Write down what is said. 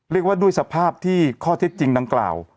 เรียกว่าด้วยสภาพที่ข้อเท็จจริงดังกล่าว